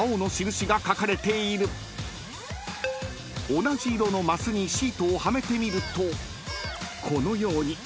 ［同じ色の升にシートをはめてみるとこのように。